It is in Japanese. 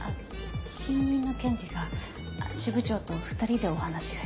新任の検事が支部長と２人でお話がしたいって。